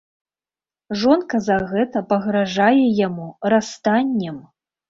Жонка за гэта пагражае яму расстаннем!